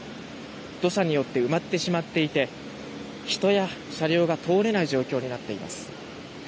土砂によって埋まってしまっていて人や車両が通れない状況になっています。